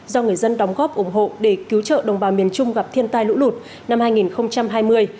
do người dân đóng góp ủng hộ để cứu trợ đồng bào miền trung gặp thiên tai lũ lụt năm hai nghìn hai mươi